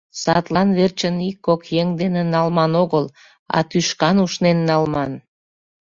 Садлан верчын ик-кок еҥ дене налман огыл, а тӱшкан ушнен налман.